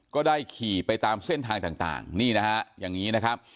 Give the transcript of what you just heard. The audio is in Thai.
ก็ได้ขี่ไปตามเส้นทางต่างนี่นะฮะอย่างนี้นะครับ